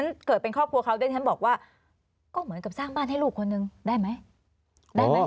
นี้เกิดเป็นครอบครัวบอกว่าก็เหมือนกับสร้างบ้านให้ลูกคนหนึ่งได้ไหม